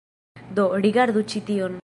Do, rigardu ĉi tion